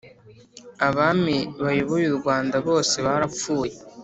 Abami bayoboye urwanda bose barapfuye